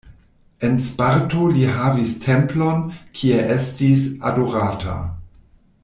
En Sparto li havis templon, kie estis adorata.